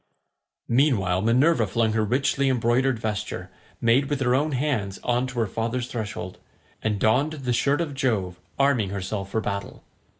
Meanwhile Minerva flung her richly embroidered vesture, made with her own hands, on to her father's threshold, and donned the shirt of Jove, arming herself for battle.